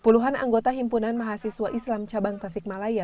puluhan anggota himpunan mahasiswa islam cabang tasikmalaya